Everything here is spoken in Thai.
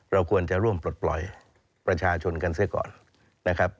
เราควรจะร่วมปลดปล่อยประชาชนกันเสียก่อนนะครับ